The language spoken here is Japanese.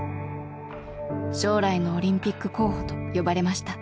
将来のオリンピック候補と呼ばれました。